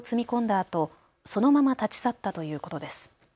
あとそのまま立ち去ったということです。